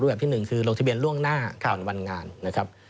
แบบที่หนึ่งคือลงทะเบียนล่วงหน้าก่อนวันงานนะครับ